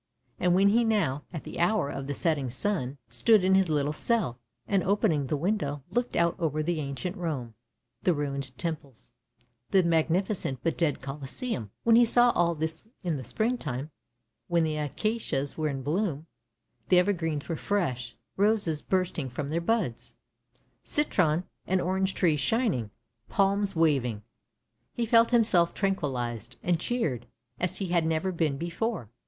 And when he now, at the hour of the setting sun, stood in his little cell, and, opening the window, looked out over the ancient Rome, the ruined temples, the magnificent but dead Colosseum — when he saw all this in the spring time, when the acacias were in bloom, the evergreens were fresh, roses bursting from their buds, citron and orange trees shining, palms waving — he felt himself tranquillised and cheered as he had never been before.